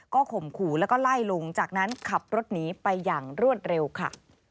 ข่มขู่แล้วก็ไล่ลุงจากนั้นขับรถหนีไปอย่างรวดเร็วค่ะ